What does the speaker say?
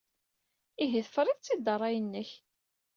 Ihi, tefrid-tt-id ed ṛṛay-nnek?